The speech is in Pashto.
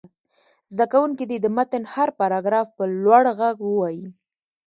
زده کوونکي دې د متن هر پراګراف په لوړ غږ ووايي.